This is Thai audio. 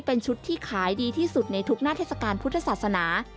เป็นชุดที่ขายดีที่สุดในทุกหน้าเทศกาลพุทธศาสนา